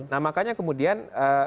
nah makanya kemudian